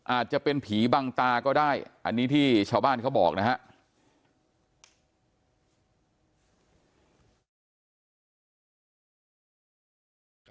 อาจจะเป็นผีบังตาก็ได้อันนี้ที่ชาวบ้านเขาบอกนะครับ